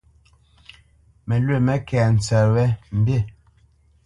Mǝlwǐ mé kɛ́ tsǝ́tʼ wǝ́, mbí.